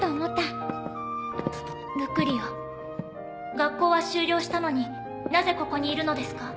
学校は終了したのになぜここにいるのですか？